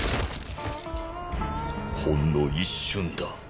ほんの一瞬だ。